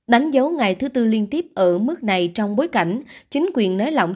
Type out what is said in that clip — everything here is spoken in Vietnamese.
đánh dấu ngày thứ tư liên tiếp ở mức này trong bối cảnh chính quyền nới lỏng